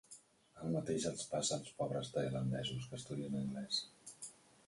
El mateix els passa als pobres tailandesos que estudien anglès.